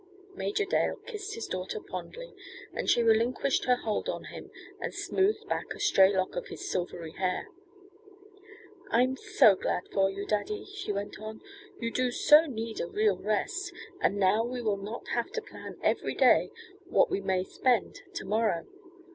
Major Dale kissed his daughter fondly as she relinquished her hold on him, and smoothed back a stray lock of his silvery hair. "I'm so glad for you, daddy," she went on. "You do so need a real rest, and now we will not have to plan every day what we may spend to morrow.